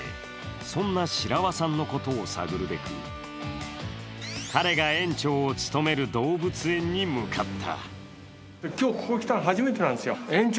そんな白輪さんのことを探るべく、彼が園長を務める動物園に向かった。